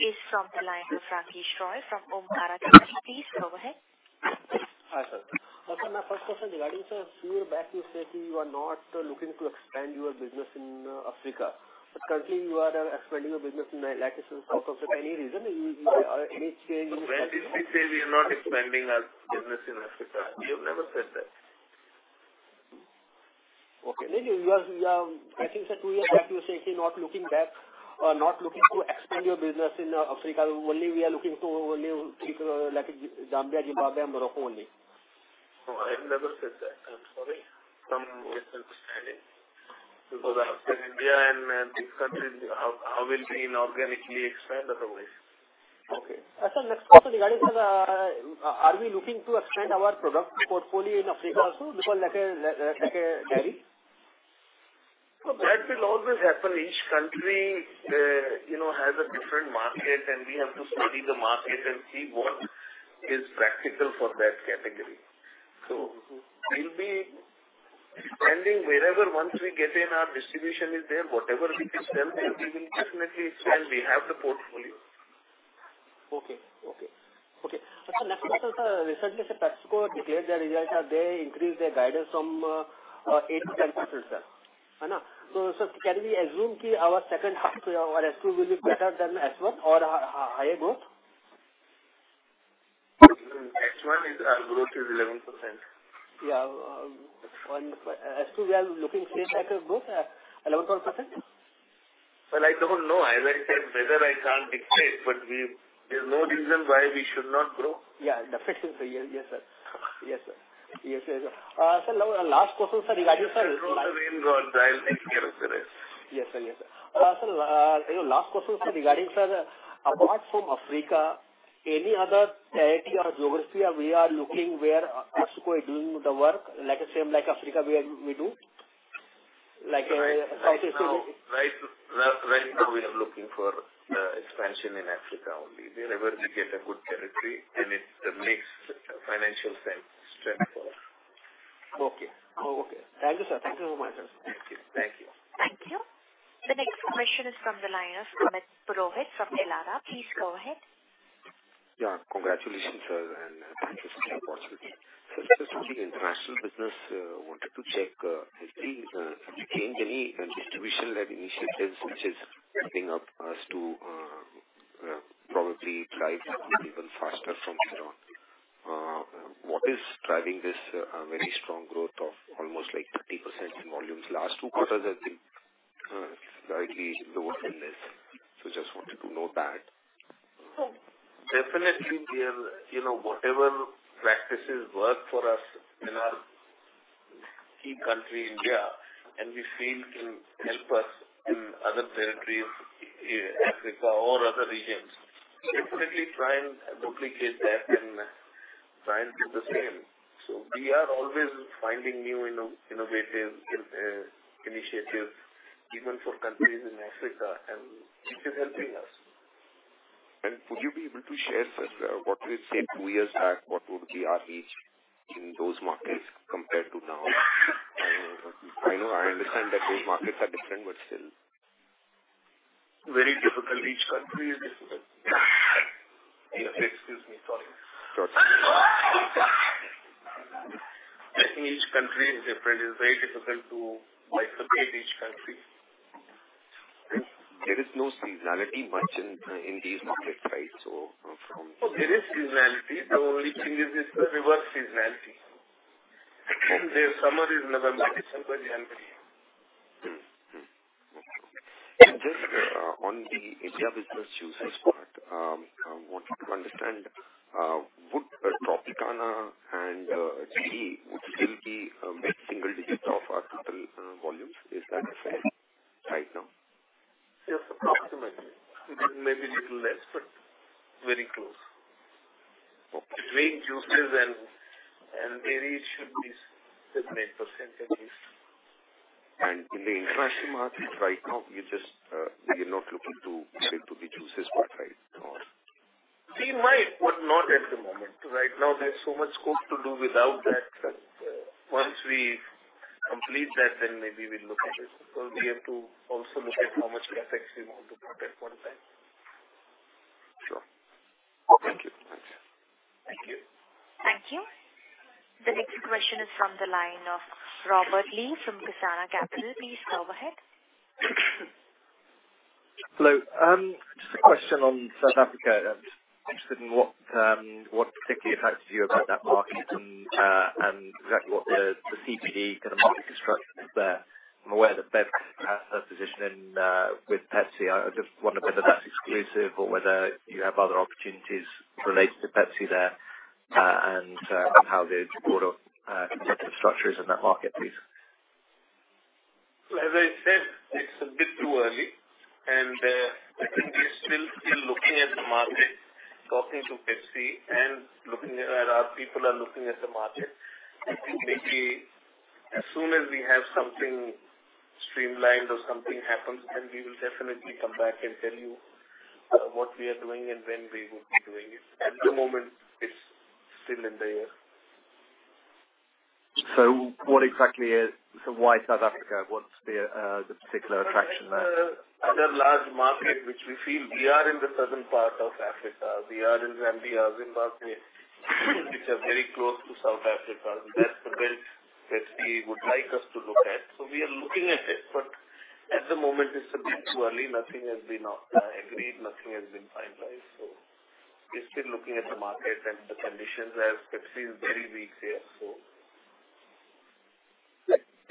is from the line of Rakesh Roy from Omkara Capital. Please go ahead. Hi, sir. sir, my first question regarding, sir, few years back, you said you are not looking to expand your business in Africa, but currently you are expanding your business in Nigeria. Out of any reason, you, any change- When did we say we are not expanding our business in Africa? We have never said that. Okay. Maybe you are, I think that 2 years back you said you're not looking back, not looking to expand your business in Africa. Only we are looking to only think, like Zambia, Zimbabwe, and Morocco only. Oh, I have never said that. I'm sorry. Some misunderstanding. After India and these countries, how, how will we inorganically expand otherwise? Okay. next question regarding, are we looking to expand our product portfolio in Africa also, because like a, like a dairy? That will always happen. Each country, you know, has a different market, and we have to study the market and see what is practical for that category. We'll be expanding wherever once we get in, our distribution is there, whatever we can sell, and we will definitely expand. We have the portfolio. Okay. Okay. Okay. Next question, sir, recently, Sir PepsiCo declared their results. They increased their guidance from 80%, sir. So can we assume that our second half, our F two will be better than F one or higher growth? F one is our growth is 11%. Yeah, F two, we are looking same type of growth at 11%? Well, I don't know. As I said, whether I can't expect, but there's no reason why we should not grow. Yeah, definitely. Yes, yes, sir. Yes, sir. Yes, yes, sir. Sir, now the last question, sir, regarding. It's all the rain gods, I'll take care of the rest. Yes, sir. Yes, sir. Sir, your last question, sir, regarding, sir, apart from Africa, any other territory or geography we are looking where PepsiCo is doing the work, like the same, like Africa we are, we do? Right now, right now, right now we are looking for expansion in Africa only. Wherever we get a good territory and it makes financial sense, strength for us. Okay. Okay. Thank you, sir. Thank you so much, sir. Thank you. Thank you. The next question is from the line of Amit Purohit from Elara. Please go ahead. Yeah, congratulations, sir, and thank you so much. Just on the international business, I wanted to check, has the, have you changed any distribution-led initiatives which is helping us to, probably drive even faster from here on? What is driving this, very strong growth of almost like 30% in volumes? Last two quarters, I think, slightly lower than this. Just wanted to know that. Definitely, we have, you know, whatever practices work for us in our key country, India, and we feel can help us in other territories, in Africa or other regions. Definitely try and duplicate that and try and do the same. We are always finding new innovative initiatives, even for countries in Africa, and it is helping us. Would you be able to share, sir, what we say two years back, what would be our reach in those markets compared to now? I know, I understand that those markets are different, but still. Very difficult. Each country is different. Excuse me, sorry. Sure. Each country is different. It's very difficult to microplay each country. There is no seasonality much in, in these markets, right? There is seasonality. Each in business, reverse seasonality. Their summer is November, December, and January. Just on the India business juices part, I wanted to understand, would Tropicana and Tea still be mid-single digit of our total volumes? Is that fair right now? Yes, approximately. Maybe a little less, but very close. Okay. Between juices and maybe it should be 7%-8% at least. In the international markets right now, you just, you're not looking to sell to the juices part, right, or? We might, but not at the moment. Right now, there's so much scope to do without that. Once we complete that, then maybe we'll look at it, because we have to also look at how much CapEx we want to put at one time. Sure. Okay. Thank you. Thank you. Thank you. The next question is from the line of Robert Lee from Cusana Capital. Please go ahead. Hello. Just a question on South Africa. I'm interested in what, what particularly attracts you about that market and exactly what the, the CSD kind of market construction is there? I'm aware that Bev has her position in, with Pepsi. I just wonder whether that's exclusive or whether you have other opportunities related to Pepsi there, and how the product, competitive structure is in that market, please? As I said, it's a bit too early, and I think we're still, still looking at the market, talking to Pepsi and looking at... Our people are looking at the market. I think maybe as soon as we have something streamlined or something happens, then we will definitely come back and tell you what we are doing and when we will be doing it. At the moment, it's still in the air. Why South Africa? What's the particular attraction there? Other large market, which we feel we are in the southern part of Africa. We are in Zambia, Zimbabwe, which are very close to South Africa. That's the belt that we would like us to look at. We are looking at it, but at the moment, it's a bit too early. Nothing has been agreed, nothing has been finalized. We're still looking at the market and the conditions as Pepsi is very weak there.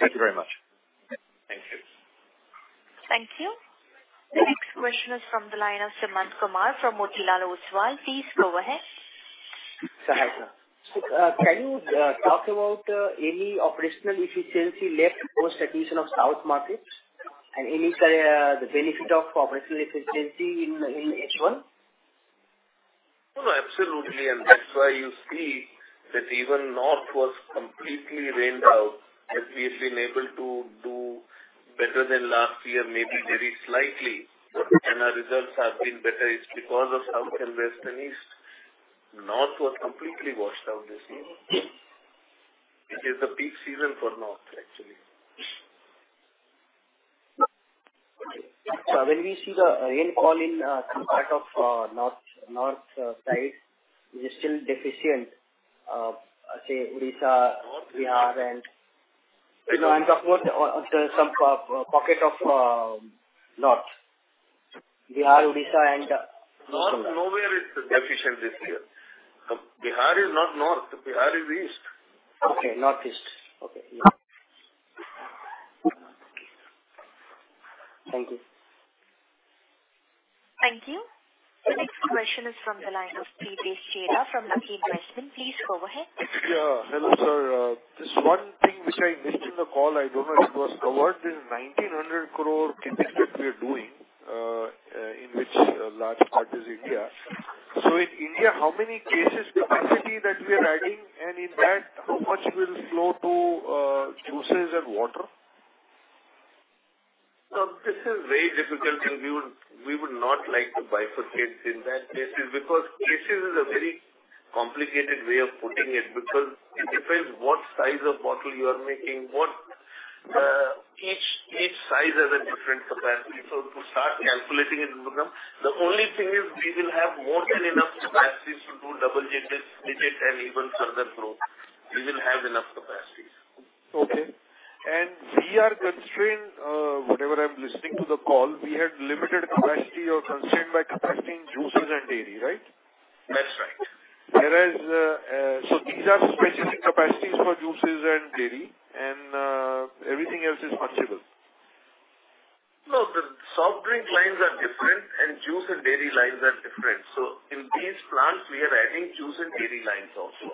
Thank you very much. Thank you. Thank you. The next question is from the line of Sumant Kumar from Motilal Oswal. Please go ahead. Sir, hi, sir. Can you talk about any operational efficiency left post acquisition of South markets and any the benefit of operational efficiency in H1? Absolutely, that's why you see that even North was completely rained out, and we've been able to do better than last year, maybe very slightly, and our results have been better. It's because of South and West and East. North was completely washed out this year. It is the peak season for North, actually. Sir, when we see the rain call in, some part of, north, north, side, is it still deficient, say, Odisha, Bihar, and? No, I'm talking about some pocket of, north. Bihar, Odisha, and. North, nowhere is deficient this year. Bihar is not north, Bihar is east. Okay, northeast. Okay. Thank you. Thank you. The next question is from the line of Pritesh Chheda from Lucky Investment. Please go ahead. Yeah. Hello, sir. This one thing which I missed in the call, I don't know it was covered, this 1,900 crore CapEx that we are doing, in which a large part is India. In India, how many cases capacity that we are adding, and in that, how much will flow to juices and water? This is very difficult, and we would not like to bifurcate in that cases, because cases is a very complicated way of putting it, because it depends what size of bottle you are making, what, each size has a different capacity. To start calculating it will become... The only thing is, we will have more than enough capacity to do double-digit unit and even further growth. We will have enough capacities. Okay. We are constrained, whatever I'm listening to the call, we had limited capacity or constrained by capacity in juices and dairy, right? That's right. These are specific capacities for juices and dairy, and everything else is flexible. No, the soft drink lines are different and juice and dairy lines are different. In these plants, we are adding juice and dairy lines also.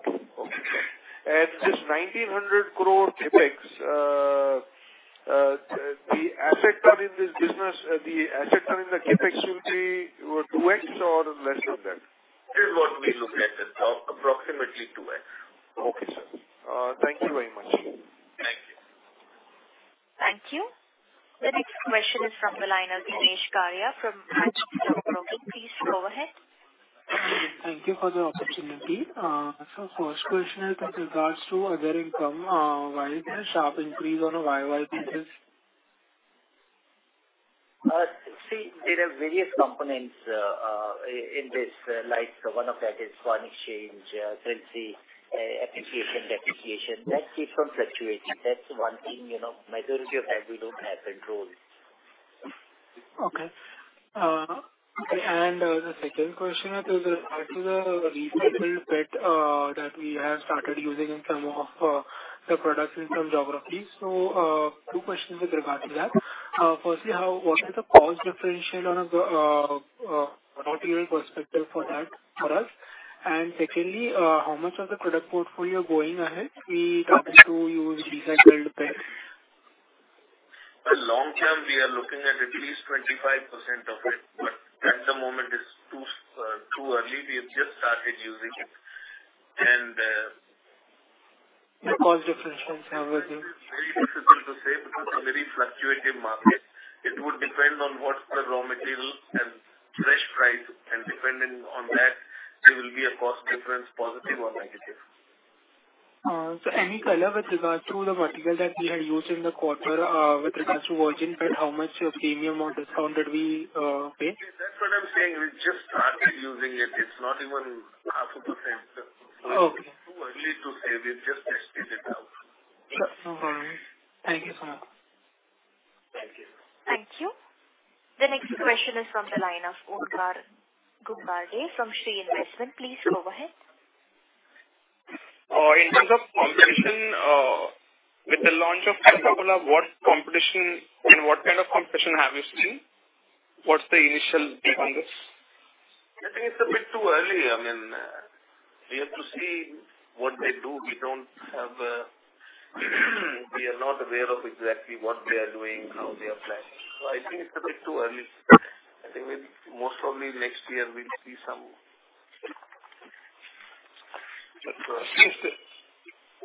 Okay. This INR 19,000 million CapEx, the asset are in this business, the asset are in the CapEx will be, 2x or less than that? This is what we looked at, approximately 2x. Okay, sir. Thank you very much. Thank you. Thank you. The next question is from the line of Jenish Karia from Antique Stock Broking. Please go ahead. Thank you for the opportunity. First question is with regards to other income, why is there a sharp increase on a YOY basis? See, there are various components in this light. One of that is foreign exchange currency appreciation, depreciation. That keeps on fluctuating. That's one thing, you know, majority of that we don't have control. Okay. The second question is with regard to the recycled PET, that we have started using in some of the products in some geographies. Two questions with regards to that. Firstly, what is the cost differential on a, not year perspective for that, for us? Secondly, how much of the product portfolio going ahead we plan to use recycled PET? The long term, we are looking at at least 25% of it, but at the moment it's too, too early. We have just started using it. The cost difference how would you- Very difficult to say, because it's a very fluctuative market. It would depend on what's the raw material and fresh price, and depending on that, there will be a cost difference, positive or negative. Any color with regards to the material that we had used in the quarter, with regards to virgin PET, how much of premium or discount did we pay? That's what I'm saying. We just started using it. It's not even half a %. Okay. Too early to say. We've just tested it out. No problem. Thank you, sir. Thank you. Thank you. The next question is from the line of Omkar Ghugardare from Shree Investment. Please go ahead. In terms of competition, with the launch of Coca-Cola, what competition and what kind of competition have you seen? What's the initial take on this? I think it's a bit too early. I mean, we have to see what they do. We don't have, we are not aware of exactly what they are doing, how they are planning. I think it's a bit too early. I think most probably next year we'll see some...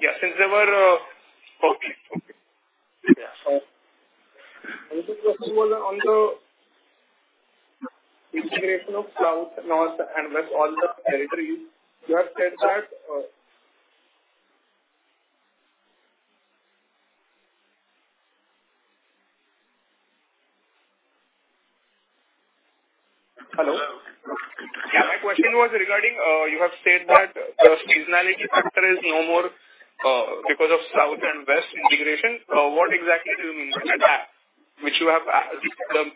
Yeah, since they were. Okay. Okay. Yeah. The second one, on the integration of south, north, and west, all the territories, you have said that. Hello? Yeah, my question was regarding, you have said that the seasonality factor is no more, because of south and west integration. What exactly do you mean by that, which you have asked them?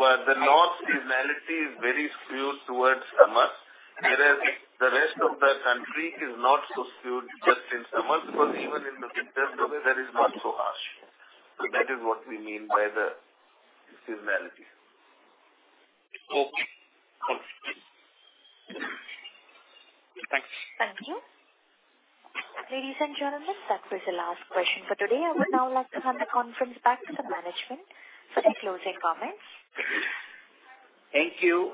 Well, the north seasonality is very skewed towards summer, whereas the rest of the country is not so skewed just in summer, because even in the winter time that is not so harsh. That is what we mean by the seasonality. Okay. Thanks. Thank you. Ladies and gentlemen, that was the last question for today. I would now like to hand the conference back to the management for the closing comments. Thank you.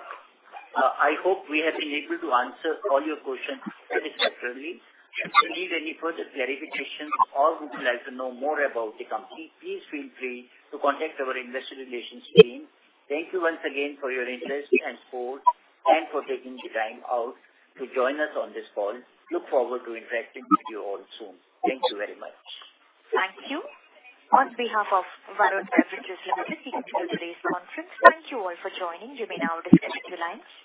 I hope we have been able to answer all your questions satisfactorily. If you need any further clarifications or would like to know more about the company, please feel free to contact our investor relations team. Thank you once again for your interest and support, and for taking the time out to join us on this call. Look forward to interacting with you all soon. Thank you very much. Thank you. On behalf of Varun Beverages Limited, we conclude today's conference. Thank you all for joining. You may now disconnect your lines.